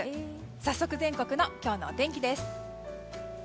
早速、全国の今日のお天気です。